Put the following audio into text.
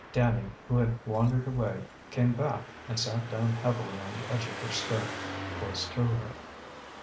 Danny, who had wandered away, came back and sat down heavily on the edge of her skirt, close to her.